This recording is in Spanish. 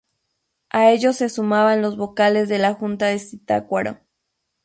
A ello se sumaban los vocales de la Junta de Zitácuaro.